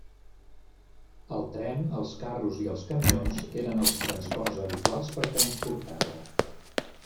El tren, els carros i els camions eren els transports habituals per transportar-la.